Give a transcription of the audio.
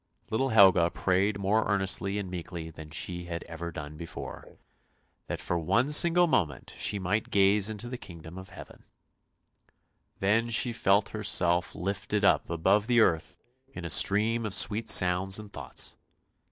Little Helga prayed more earnestly and meekly than she had THE MARSH KING'S DAUGHTER 307 ever done before, that for one single moment she might gaze into the kingdom of Heaven. Then she felt herself lifted up above the earth in a stream of sweet sounds and thoughts.